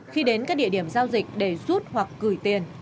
khi đến các địa điểm giao dịch để rút hoặc gửi tiền